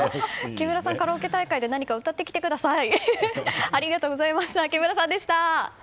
木村さん、カラオケ大会で何か歌ってください。